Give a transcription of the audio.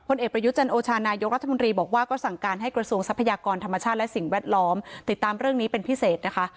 เอกประยุจันโอชานายกรัฐมนตรีบอกว่าก็สั่งการให้กระทรวงทรัพยากรธรรมชาติและสิ่งแวดล้อมติดตามเรื่องนี้เป็นพิเศษนะคะ